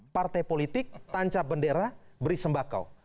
partai politik tancap bendera beri sembakau